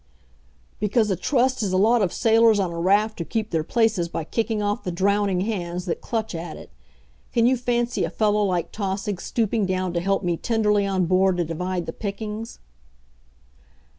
"Because a Trust is a lot of sailors on a raft who keep their places by kicking off the drowning hands that clutch at it. Can you fancy a fellow like Tausig stooping down to help me tenderly on board to divide the pickings?"